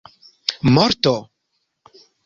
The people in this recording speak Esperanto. morto